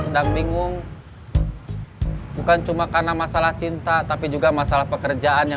sampai jumpa di video selanjutnya